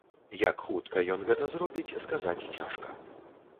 Як хутка ён гэта зробіць, сказаць цяжка.